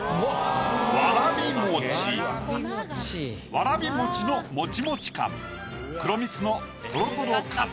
わらび餅のもちもち感黒蜜のとろとろ感